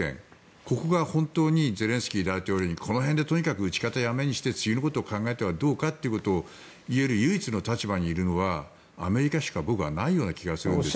ここが本当にゼレンスキー大統領にこの辺でとにかく撃ち方やめにして次のことを考えてはどうかと言える、唯一の立場にいるのはアメリカしか僕はないような気がするんです。